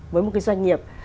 với một cái doanh nghiệp